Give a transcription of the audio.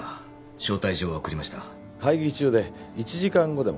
招待状は送りました会議中で１時間後でも？